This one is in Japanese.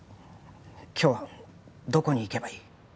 今日はどこに行けばいい？